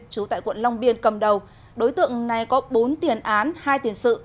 trú tại quận long biên cầm đầu đối tượng này có bốn tiền án hai tiền sự